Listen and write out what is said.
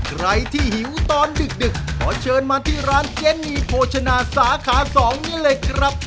ใครที่หิวตอนดึกขอเชิญมาที่ร้านเจนีโภชนาสาขา๒นี้เลยครับ